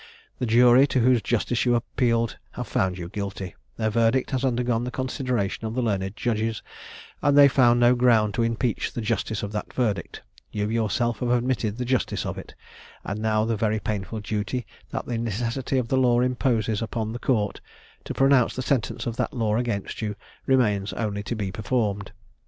The jury, to whose justice you appealed, have found you guilty; their verdict has undergone the consideration of the learned judges, and they found no ground to impeach the justice of that verdict; you yourself have admitted the justice of it; and now the very painful duty that the necessity of the law imposes upon the court, to pronounce the sentence of that law against you, remains only to be performed.